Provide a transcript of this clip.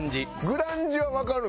「グランジ」はわかる？